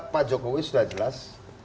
pak jokowi sudah jelas